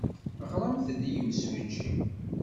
Ɣremt-d i yimsujji.